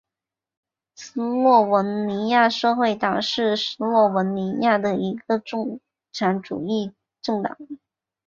斯洛文尼亚社会党是斯洛文尼亚的一个共产主义政党。